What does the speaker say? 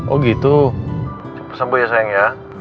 oh gitu sembuh ya sayang ya